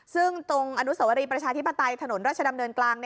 ซึ่งตรงอนุสวรีประชาธิปไตยถนนราชดำเนินกลาง